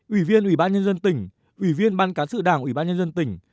ủy viên ủy ban nhân dân tỉnh ủy viên ban cán sự đảng ủy ban nhân dân tỉnh